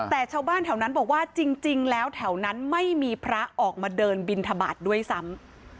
แต่ชาวบ้านแถวนั้นบอกว่าจริงแล้วแถวนั้นไม่มีพระออกมาเดินบินทบาทด้วยซ้ำ